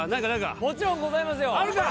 もちろんございますよはい。